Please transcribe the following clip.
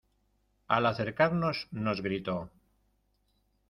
al acercarnos nos gritó: